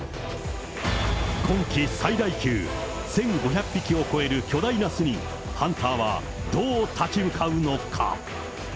今季最大級、１５００匹を超える巨大な巣に、ハンターはどう立ち向かうのか。